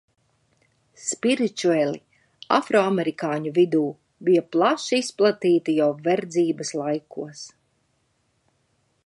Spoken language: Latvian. Spiričueli afroamerikāņu vidū bija plaši izplatīti jau verdzības laikos.